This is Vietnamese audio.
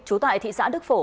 chú tại thị xã đức phổ